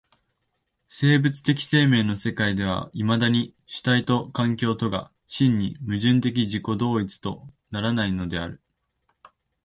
生物的生命の世界ではいまだ主体と環境とが真に矛盾的自己同一とならないのである。